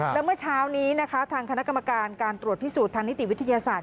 แล้วเมื่อเช้านี้นะคะทางคณะกรรมการการตรวจพิสูจน์ทางนิติวิทยาศาสต